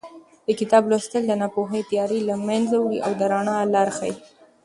د کتاب لوستل د ناپوهۍ تیارې له منځه وړي او د رڼا لار ښیي.